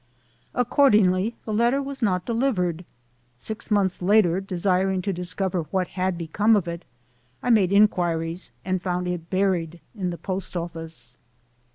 Accordingly, the letter was not de livered. Six months later, desiring to discover what had become of it, I made inquiries and found it buried in the post office.